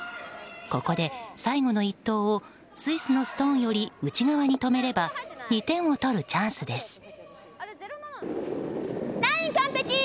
ここで最後の一投をスイスのストーンより内側に止めれば２点を取るチャンスです。